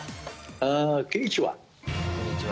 こんにちは。